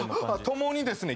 共にですね